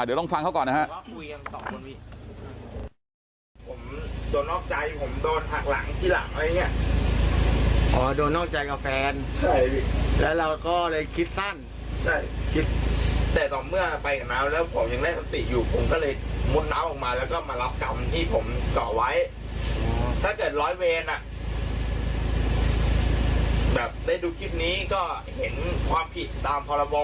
เดี๋ยวลองฟังเขาก่อนนะฮะ